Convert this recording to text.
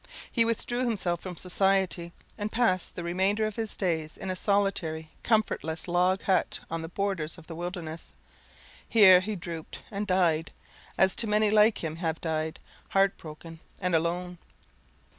He withdrew himself from society, and passed the remainder of his days in a solitary, comfortless, log hut on the borders of the wilderness. Here he drooped and died, as too many like him have died, heartbroken and alone.